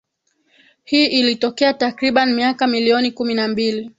Hii ilitokea takriban miaka milioni kumi na mbili